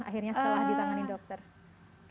akhirnya setelah ditangani dokter